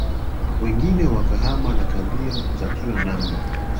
Wengine wakahama na kadhia za kila namna